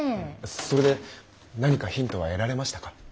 それで何かヒントは得られましたか？